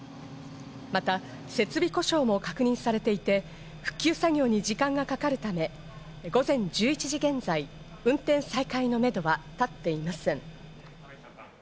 また設備故障も確認されていて、復旧作業に時間がかかるため、午前１１時現在、運転再開のめどはたっていません。